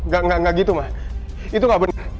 gak gitu ma itu gak bener